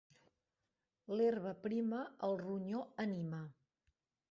L'herba prima el ronyó anima.